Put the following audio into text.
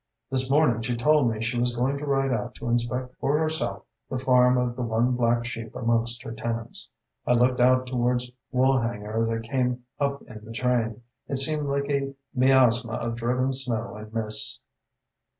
"This morning she told me she was going to ride out to inspect for herself the farm of the one black sheep amongst her tenants. I looked out towards Woolhanger as I came up in the train. It seemed like a miasma of driven snow and mists."